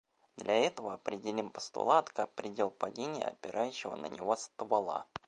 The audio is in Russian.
Для этого определим постулат как предел падения опирающегося на него ствола.